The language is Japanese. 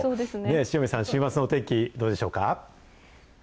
塩見さん、週末の天気、どうでしょうか。